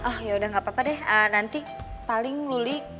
ah yaudah gak apa apa deh nanti paling luli